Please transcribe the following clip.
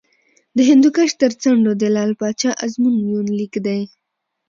د هندوکش تر څنډو د لعل پاچا ازمون یونلیک دی